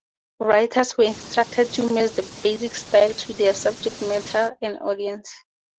Writers were instructed to match the basic style to their subject matter and audience.